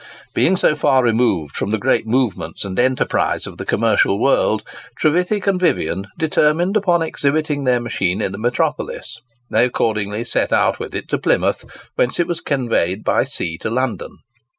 Being so far removed from the great movements and enterprise of the commercial world, Trevithick and Vivian determined upon exhibiting their machine in the metropolis. They accordingly set out with it to Plymouth, whence it was conveyed by sea to London.